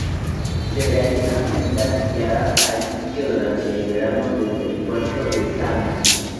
Se realizan visitas guiadas al sitio durante el verano desde el puerto de Sami.